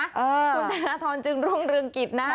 คุณธนาธรรมจึงร่วงเรืองกิจนะ